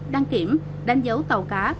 đăng kiểm đánh dấu tàu cá